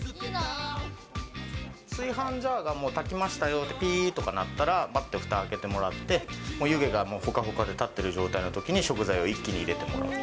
炊飯ジャーがもう炊けましたよってぴーっと鳴ったら、ぱってふた開けてもらって、湯気がほかほかで立ってる状態のときに、食材を一気に入れてもらう。